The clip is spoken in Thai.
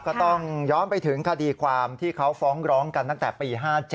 ก็ต้องย้อนไปถึงคดีความที่เขาฟ้องร้องกันตั้งแต่ปี๕๗